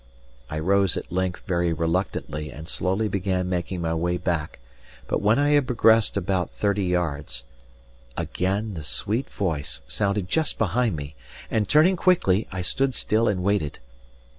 I rose at length very reluctantly and slowly began making my way back; but when I had progressed about thirty yards, again the sweet voice sounded just behind me, and turning quickly, I stood still and waited.